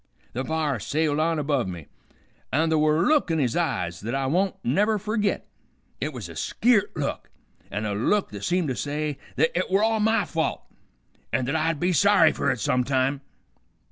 The b'ar sailed on above me, an' th' were a look in his eyes th't I won't never fergit. It was a skeert look, an' a look that seemed to say th't it were all my fault, an' th't I'd be sorry fer it some time.